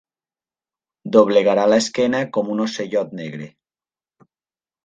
Doblegarà l'esquena com un ocellot negre.